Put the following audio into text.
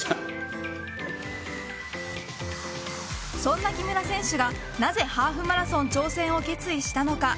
そんな木村選手がなぜハーフマラソン挑戦を決意したのか。